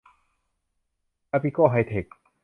อาปิโก ไฮเทค